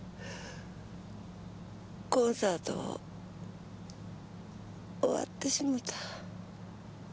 コンサート終わってしもた。